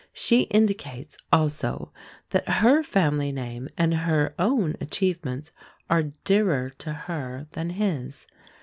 She indicates, also, that her family name and her own achievements are dearer to her than his.